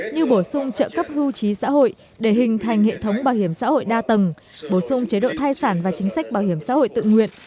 như bổ sung trợ cấp hưu trí xã hội để hình thành hệ thống bảo hiểm xã hội đa tầng bổ sung chế độ thai sản và chính sách bảo hiểm xã hội tự nguyện